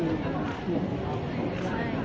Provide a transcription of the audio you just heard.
เวลาแรกพี่เห็นแวว